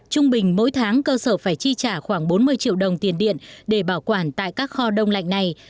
trung bình mỗi tháng cơ sở phải chi trả khoảng bốn mươi triệu đồng tiền điện để bảo quản tại các kho đông lạnh này